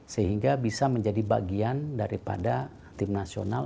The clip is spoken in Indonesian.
sehingga bisa menjadi bagian daripada tim nasional